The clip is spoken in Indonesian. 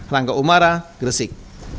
rangga umara gresik